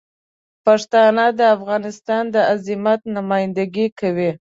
پښتانه د افغانستان د عظمت نمایندګي کوي.